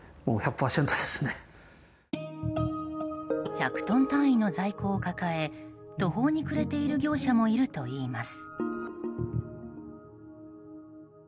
１００トン単位の在庫を抱え途方に暮れている業者もいるといいます。